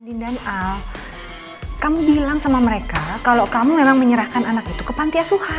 dindan al kamu bilang sama mereka kalau kamu memang menyerahkan anak itu ke pantiasuhan